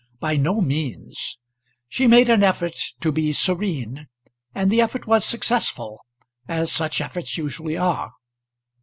By no means. She made an effort to be serene, and the effort was successful as such efforts usually are.